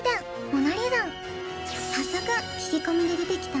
モナリザン早速聞き込みで出てきた